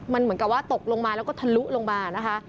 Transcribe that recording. มันเหมือนกับว่าตกลงมาแล้วก็ทะลุลงมานะคะ